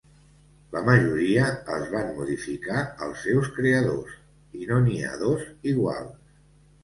La majoria els van modificar els seus creadors, i no n'hi ha dos iguals.